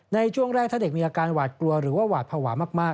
ในช่วงแรกถ้าเด็กมีอาการหวาดกลัวหรือว่าหวาดภาวะมาก